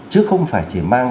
chứ không phải chỉ mang